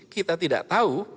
kita tidak tahu